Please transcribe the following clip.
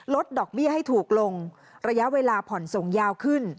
ดอกเบี้ยให้ถูกลงระยะเวลาผ่อนส่งยาวขึ้น